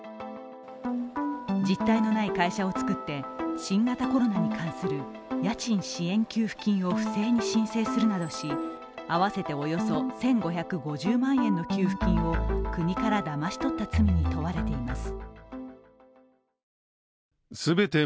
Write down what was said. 実態のない会社を作って新型コロナに関する家賃支援給付金を不正に申請するなどし、合わせておよそ１５５０万円の給付金を国からだまし取った罪に問われています。